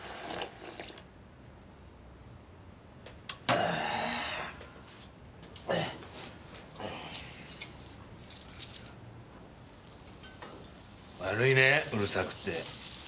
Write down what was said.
あぁっ！悪いねうるさくって。